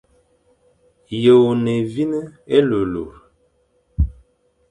Yô e ne évîne, élurélur.